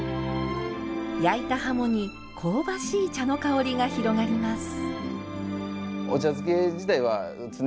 焼いた鱧に香ばしい茶の香りが広がります。